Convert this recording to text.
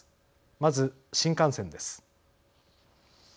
まず新幹線です。